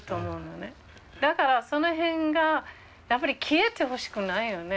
だからその辺がやっぱり消えてほしくないよね。